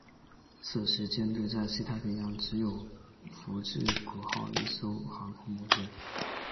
此时舰队在西太平洋只有福治谷号一艘航空母舰。